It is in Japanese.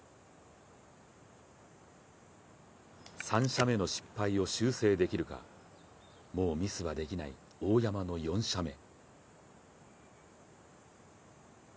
３射目の失敗を修正できるかもうミスはできない、大山の４射目。